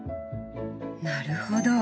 なるほど。